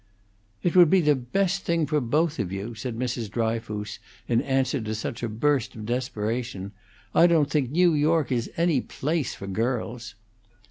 "It would be the best thing for both of you," said Mrs. Dryfoos, in answer to such a burst of desperation. "I don't think New York is any place for girls."